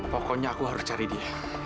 pokoknya aku harus cari dia